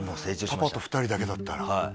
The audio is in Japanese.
パパと２人だけだったらはい